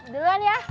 pergi dulu ya